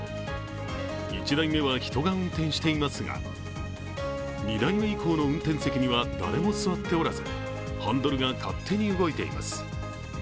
１台目は人が運転していますが２台目以降の運転席には誰も座っておらずハンドルが勝手に動いています。